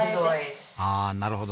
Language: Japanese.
ああなるほど。